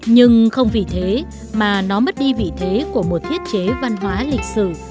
nhưng không vì thế mà nó mất đi vị thế của một thiết chế văn hóa lịch sử